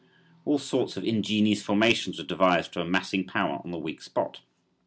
All sorts of ingenious formations were devised for massing power on the weak spot.